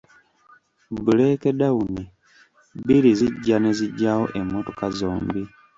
Bbuleeke dawuni bbiri zajja ne zijjawo emmotoka zombi.